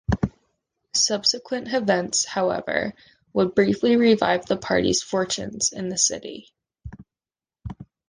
Subsequent events, however, would briefly revive the party's fortunes in the city.